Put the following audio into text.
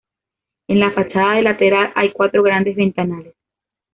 En la fachada de lateral hay cuatro grandes ventanales.